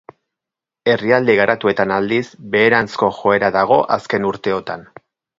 Herrialde garatuetan aldiz beheranzko joera dago azken urteotan.